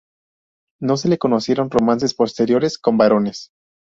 No se le conocieron romances posteriores con varones.